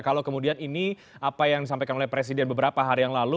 kalau kemudian ini apa yang disampaikan oleh presiden beberapa hari yang lalu